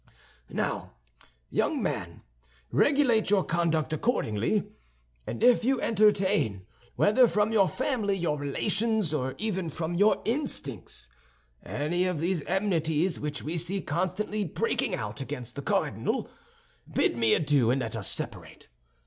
"Now, young man, regulate your conduct accordingly; and if you entertain, whether from your family, your relations, or even from your instincts, any of these enmities which we see constantly breaking out against the cardinal, bid me adieu and let us separate.